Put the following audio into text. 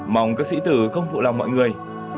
mong các sĩ tử không phụ lòng mọi người